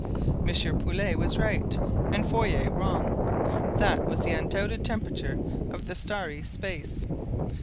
M. Pouillet was right and Fourier wrong. That was the undoubted temperature of the starry space.